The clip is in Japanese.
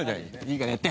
いいからやって。